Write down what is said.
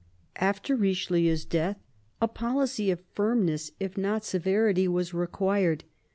After Eichelieu's death a policy of firmness, if not severity, was required.